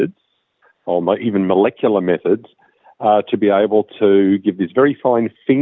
dan mereka benar benar dapat menentukan makanan